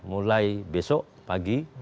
mulai besok pagi